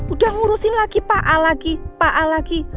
udah ngurusin lagi pak al lagi pak al lagi